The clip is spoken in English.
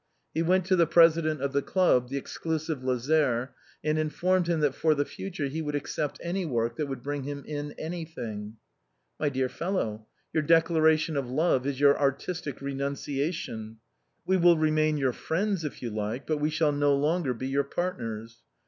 He went to the president of the club, the exclusive Lazare, and informed him that for the future he would accept any work that would bring him in anything. " My dear fellow, your declaration of love is your artistic renunciation. We will remain your friends if you like, but we shall no longer be your partners.